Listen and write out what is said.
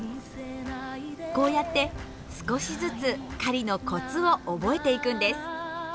こうやって少しずつ狩りのコツを覚えていくんです。